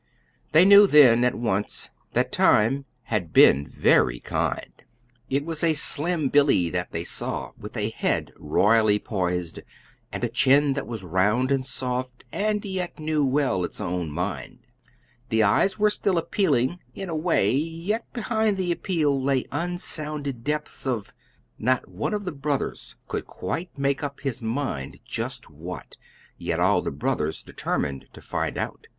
They knew then, at once, that time had been very kind. It was a slim Billy that they saw, with a head royally poised, and a chin that was round and soft, and yet knew well its own mind. The eyes were still appealing, in a way, yet behind the appeal lay unsounded depths of not one of the brothers could quite make up his mind just what, yet all the brothers determined to find out.